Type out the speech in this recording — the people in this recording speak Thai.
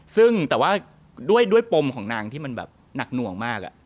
ซึ่งแต่ว่าด้วยปมของนางที่มันแบบหนักหน่วงมาก